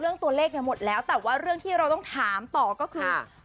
เรื่องตัวเลขเนี่ยหมดแล้วแต่ว่าเรื่องที่เราต้องถามต่อก็คือ